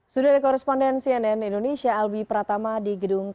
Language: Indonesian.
sudah dikoresponden cnn indonesia alwi pratama di gedung kpk